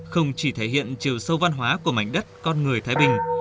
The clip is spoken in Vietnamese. không chỉ thể hiện chiều sâu văn hóa của mảnh đất con người thái bình